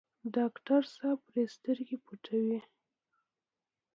ډاکټر صاحب پرې سترګې پټوي.